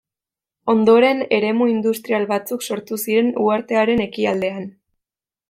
Ondoren eremu industrial batzuk sortu ziren uhartearen ekialdean.